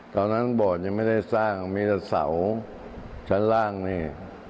ตอนนั้นโบสถ์ยังไม่ได้สร้างมีแต่เสาชั้นล่างนี่